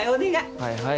はいはい。